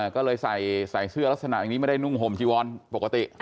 ก็เลยใส่เสื้อลักษณะอย่างนี้ไม่ได้นุ่งห่มจีวอนปกติ